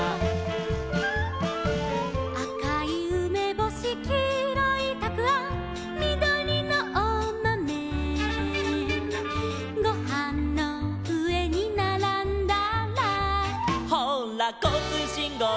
「あかいうめぼし」「きいろいたくあん」「みどりのおまめ」「ごはんのうえにならんだら」「ほうらこうつうしんごうだい」